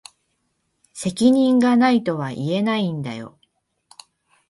責任が無いとは言えないんだよ。